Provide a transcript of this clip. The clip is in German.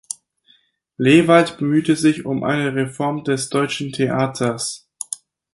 Lewald bemühte sich um eine Reform des deutschen Theaters.